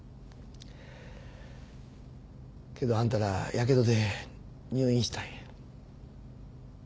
けどあんたらヤケドで入院したんや。